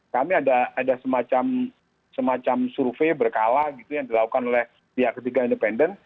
kami ada semacam survei berkala gitu yang dilakukan oleh pihak ketiga independen